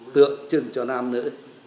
tượng trưng cho nam nữ